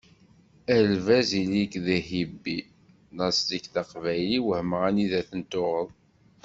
A lbaz ili-k d ihibi, laṣel-ik d aqbayli wehmeɣ anida i ten-tuɣeḍ?